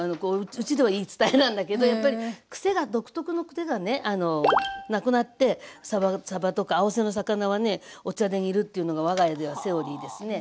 うちでは言い伝えなんだけどやっぱりくせが独特のくせがねあのなくなってさばとか青背の魚はねお茶で煮るというのが我が家ではセオリーですね。